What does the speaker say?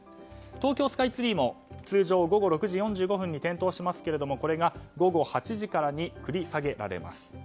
東京スカイツリーも通常午後６時４５分に点灯しますがこれが午後８時からに繰り下げられます。